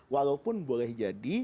walaupun boleh jadi